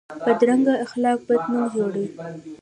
بدرنګه اخلاق بد نوم جوړوي